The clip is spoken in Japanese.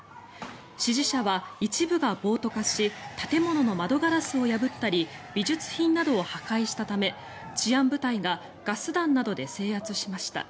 支持者は一部が暴徒化し建物の窓ガラスを破ったり美術品などを破壊したため治安部隊がガス弾などで制圧しました。